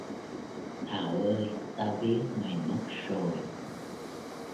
Thảo ơi Tao biết mày mất rồi